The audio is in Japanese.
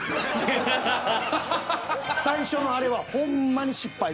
最初のあれはほんまに失敗。